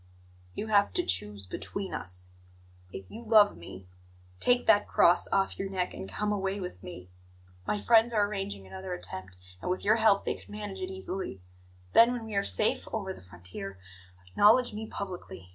"You have to choose between us. If you love me, take that cross off your neck and come away with me. My friends are arranging another attempt, and with your help they could manage it easily. Then, when we are safe over the frontier, acknowledge me publicly.